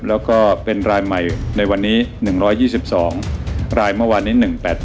แล้วก็เป็นรายใหม่ในวันนี้๑๒๒รายเมื่อวานนี้๑๘๘